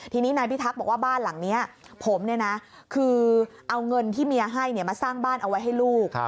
ทีนี้นายพิทักษ์บอกว่าบ้านหลังนี้ผมเนี่ยนะคือเอาเงินที่เมียให้มาสร้างบ้านเอาไว้ให้ลูก